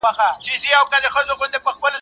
او پر ښار باندي نازل نوی آفت سو.